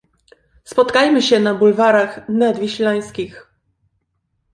Spotkajmy się na bulwarach nadwiślańskich.